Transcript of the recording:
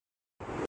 یہ مشہورقصہ ہے۔